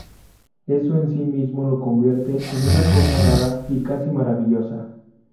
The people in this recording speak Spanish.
Eso en sí mismo lo convierte en una cosa rara y casi maravillosa".